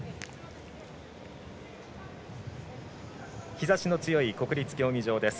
日ざしの強い国立競技場です。